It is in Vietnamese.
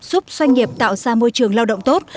giúp doanh nghiệp tạo ra môi trường lao động tốt